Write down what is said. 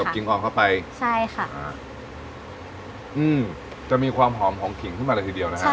กิ่งอองเข้าไปใช่ค่ะอืมจะมีความหอมของขิงขึ้นมาเลยทีเดียวนะฮะ